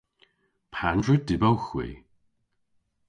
Pandr'a dybowgh hwi?